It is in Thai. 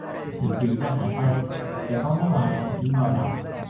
ถึงสิวจะหายไปแต่ก็ไม่วายทิ้งรอยดำ